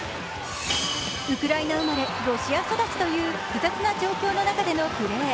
ウクライナ生まれロシア育ちという複雑な状況の中でのプレー。